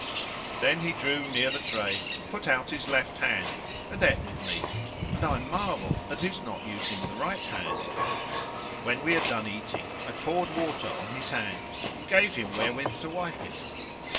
[FN#515] Then he drew near the tray and put out his left hand[FN#516] and ate with me; and I marvelled at his not using the right hand. When we had done eating, I poured water on his hand and gave him wherewith to wipe it.